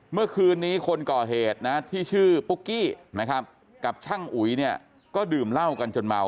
เมื่อคืนนี้คนก่อเหตุนะที่ชื่อปุ๊กกี้นะครับกับช่างอุ๋ยเนี่ยก็ดื่มเหล้ากันจนเมา